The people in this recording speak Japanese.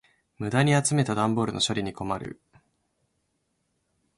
無駄に集めた段ボールの処理に困る。